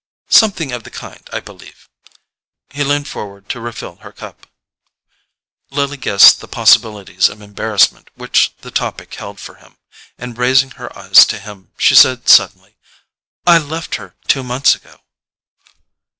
"Something of the kind, I believe." He leaned forward to refill her cup. Lily guessed the possibilities of embarrassment which the topic held for him, and raising her eyes to his, she said suddenly: "I left her two months ago."